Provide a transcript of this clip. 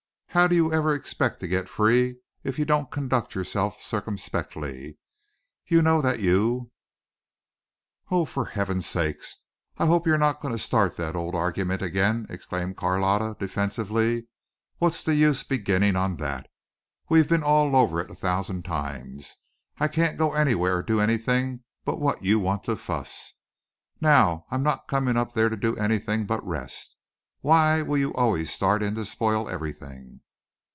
How do you ever expect to get free if you don't conduct yourself circumspectly? You know that you " "Oh, for heaven's sake, I hope you're not going to start that old argument again," exclaimed Carlotta defensively. "What's the use beginning on that? We've been all over it a thousand times. I can't go anywhere or do anything but what you want to fuss. Now I'm not coming up there to do anything but rest. Why will you always start in to spoil everything?"